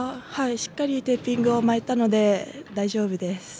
しっかりテーピングを巻いたので大丈夫です。